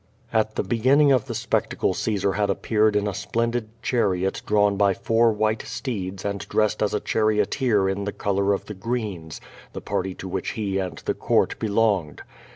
At the beginning of the spectacle Caesar had appeared in a splendid chariot drawn by four white steeds and dressed as a charioteer in the color of the Greens, the party to which he and the court belonged.